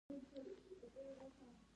هغوی وژني، بیا نو طبیعي ده چي محوه کیږي.